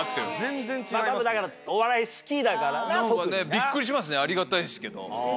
びっくりしますねありがたいですけど。